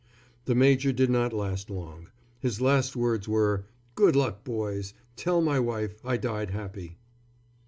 The major did not last long. His last words were, "Good luck, boys. Tell my wife I died happy."